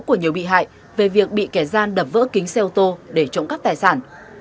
của nhiều bị hại về việc bị kẻ gian đập vỡ kính xe ô tô để trộm cắp tài sản